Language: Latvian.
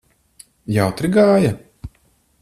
Jautri gāja?